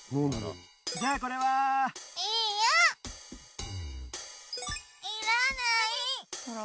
じゃあこれは？いや！いらない。